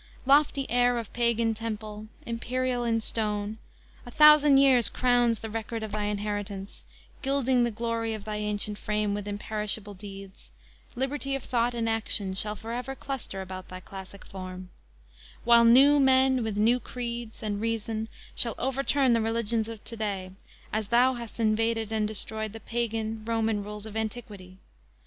lofty heir of Pagan Temple; Imperial in stone; a thousand years Crowns the record of thy inheritance, Gilding the glory of thy ancient fame, With imperishable deeds Liberty of thought and action, shall Forever cluster about thy classic form; While new men with new creeds, and reason, Shall overturn the religions of to day, As thou hast invaded and destroyed The Pagan, Roman rules of antiquity.